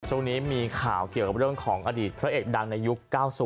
ช่วงนี้มีข่าวเกี่ยวกับเรื่องของอดีตพระเอกดังในยุค๙๐